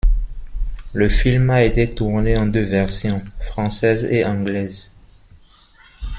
Le film a été tourné en deux versions, française et anglaise.